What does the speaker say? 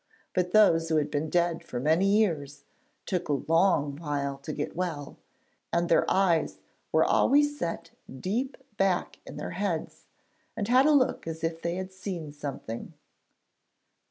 But those who had been dead for many years took a long while to get well, and their eyes were always set deep back in their heads, and had a look as if they had seen something.